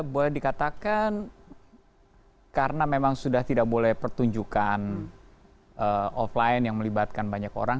boleh dikatakan karena memang sudah tidak boleh pertunjukan offline yang melibatkan banyak orang